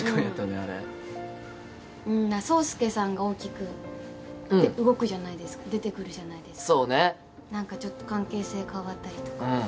あれ爽介さんが大きく動くじゃないですか出てくるじゃないですかなんかちょっと関係性変わったりとか